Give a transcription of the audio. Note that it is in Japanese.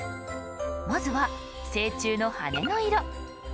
まずは成虫の羽の色。